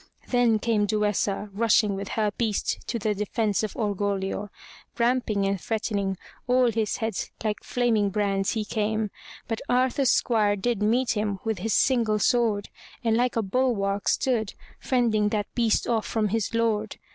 Then came Duessa rushing with her beast to the defence of Orgoglio. Ramping and threatening, all his heads like flaming brands, he came, but Arthur's squire did meet him with his single sword, and like a bulwark stood, fending that beast from off his lord.